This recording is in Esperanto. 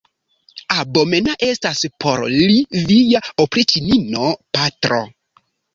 Abomena estas por li via opriĉnino, patro!